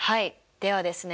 ではですね